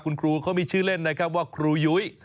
คุณครูเขามีชื่อเล่นนะครับว่าครูยุ้ย